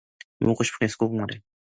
뭐 먹고 싶은 게 있으면 꼭꼭 말해.